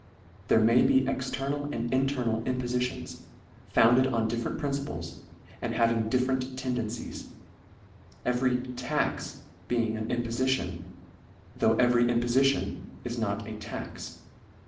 There may be external and internal impofiti ons, founded on different principles, and hav ing different tendencies ; every " tax " be ing an impofition, tho' every impofition is not a "tax."